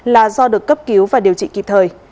là do được cấp cứu và điều trị kịp thời